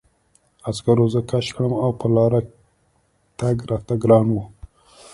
عسکرو زه کش کړم او په لاره تګ راته ګران و